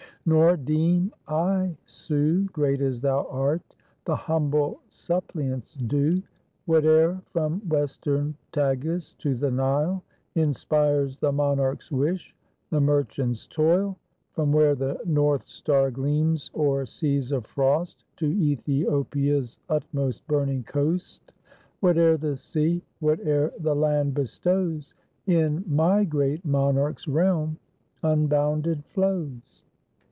Nor deem I sue. Great as thou art, the humble suppliant's due, Whate'er from western Tagus to the Nile, Inspires the monarch's wish, the merchant's toil, From where the North Star gleams o'er seas of frost, To Ethiopia's utmost burning coast, Whate'er the sea, whate'er the land bestows. In my great monarch's realm unbounded flows.